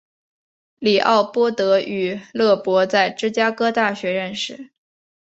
李奥波德与勒伯在芝加哥大学认识。